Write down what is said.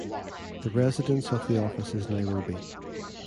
The residence of the office is Nairobi.